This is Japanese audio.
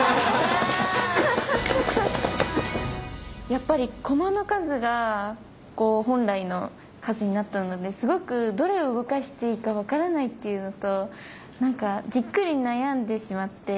やっぱり駒の数が本来の数になったのですごくどれを動かしていいか分からないっていうのとなんかじっくり悩んでしまって。